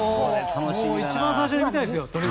一番最初に見たいですよ。